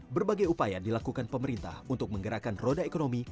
berbagai upaya dilakukan pemerintah untuk menggerakkan roda ekonomi